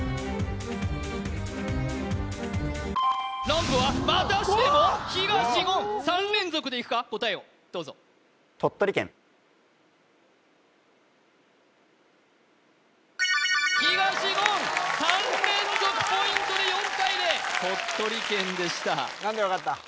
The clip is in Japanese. ランプは３連続でいくか答えをどうぞ東言３連続ポイントで４対０鳥取県でした何で分かった？